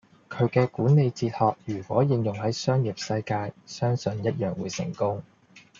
佢嘅管理哲學如果應用係商業世界，相信一樣會成功。